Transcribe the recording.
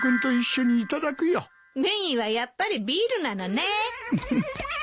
メインはやっぱりビールなのね。